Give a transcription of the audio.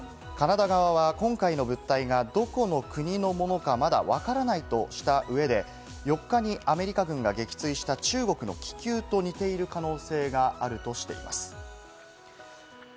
カナダ側は今回の物体がどこの国のものかまだわからないとした上で、４日にアメリカ軍が撃墜した中国の気球と似ている可能性があるとしています。